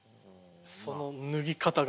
その脱ぎ方が。